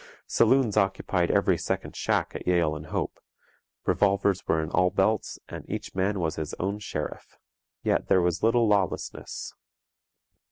Saloons occupied every second shack at Yale and Hope; revolvers were in all belts and each man was his own sheriff; yet there was little lawlessness.